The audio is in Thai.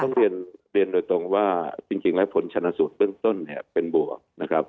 คือต้องเรียนโดยตรงว่าจริงว่าผลชนะสูตรเบื้องต้นเป็นบวกนะครับ